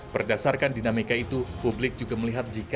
berdasarkan dinamika itu publik juga melihat keadaan jokowi